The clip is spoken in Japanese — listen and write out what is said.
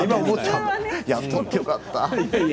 やってよかった。